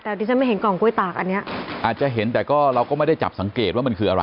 แต่ดิฉันไม่เห็นกล่องกล้วยตากอันนี้อาจจะเห็นแต่ก็เราก็ไม่ได้จับสังเกตว่ามันคืออะไร